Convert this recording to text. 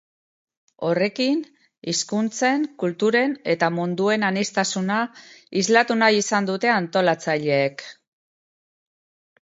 Horrekin, hizkuntzen, kulturen eta munduen aniztasuna islatu nahi izan dute antolatzaileek.